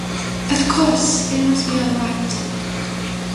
Of course, it must be all right.